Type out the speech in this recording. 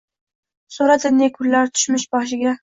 So‘radi ne kunlar tushmish boshiga.